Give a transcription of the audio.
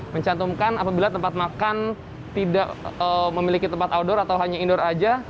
mencantumkan apabila tempat makan tidak memiliki tempat outdoor atau hanya indoor saja